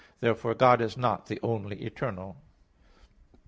Therefore God is not the only eternal.